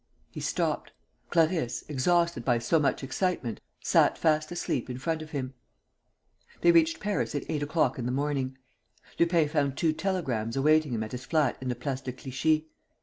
He stopped. Clarisse, exhausted by so much excitement, sat fast asleep in front of him. They reached Paris at eight o'clock in the morning. Lupin found two telegrams awaiting him at his flat in the Place de Clichy.